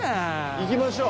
行きましょう。